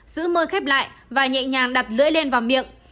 giữ mưa khép lại và nhẹ nhàng đặt lưỡi lên vào miệng